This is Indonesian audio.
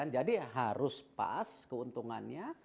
jadi harus pas keuntungannya